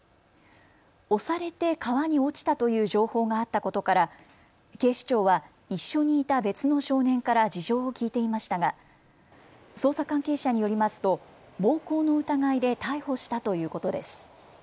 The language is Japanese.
押されて川に落ちたという情報があったことから警視庁は一緒にいた別の少年から事情を聴いていましたが、捜査関係者によりますと暴行の疑いで逮捕したということです。